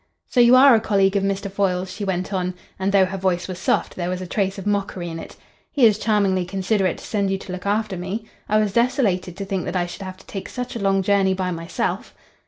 "So you are a colleague of Mr. Foyle's?" she went on, and though her voice was soft there was a trace of mockery in it. "He is charmingly considerate to send you to look after me. I was desolated to think that I should have to take such a long journey by myself."